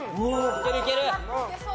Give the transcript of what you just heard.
いけるいける。